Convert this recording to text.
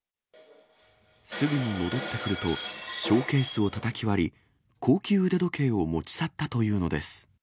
すぐに戻ってくると、ショーケースをたたき割り、高級腕時計を持ち去ったというのです。